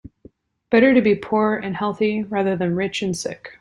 Better to be poor and healthy rather than rich and sick.